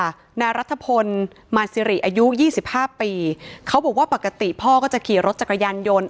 เมื่อรัฐพนธ์มาสิริอายุ๒๕ปีเขาบอกว่าปกติพ่อก็จะขี่รถจักรยานยนต์